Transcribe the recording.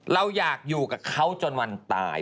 เราอยากอยู่กับเขาจนวันตาย